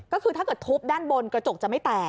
ก็คือถ้าเกิดทุบด้านบนกระจกจะไม่แตก